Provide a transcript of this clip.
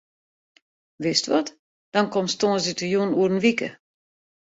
Wist wat, dan komst tongersdeitejûn oer in wike.